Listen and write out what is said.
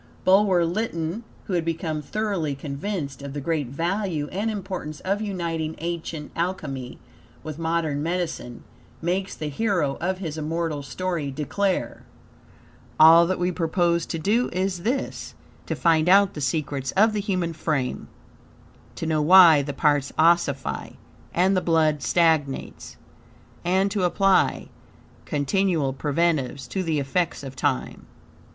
Bulwer Lytton, who had become thoroughly convinced of the great value and importance of uniting ancient Alchemy with modern medicine, makes the hero of his immortal story declare: "All that we propose to do is this: To find out the secrets of the human frame, to know why the parts ossify and the blood stagnates, and to apply continual preventives to the effects of time.